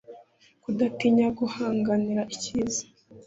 kudatinya guhanganira icyiza